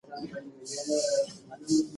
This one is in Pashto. ځینې سوداګرۍ د کډوالو له لاسه روانې دي.